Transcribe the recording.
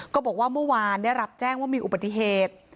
ก็บอกว่าเมื่อวานได้รับแจ้งว่ามีอุบัติเหตุ